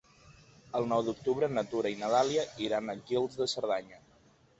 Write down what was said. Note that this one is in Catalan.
El nou d'octubre na Tura i na Dàlia iran a Guils de Cerdanya.